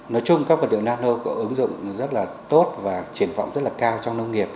nói chung các vật liệu nano có ứng dụng rất là tốt và triển vọng rất là cao trong nông nghiệp